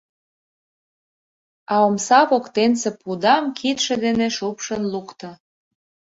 А омса воктенсе пудам кидше дене шупшын лукто.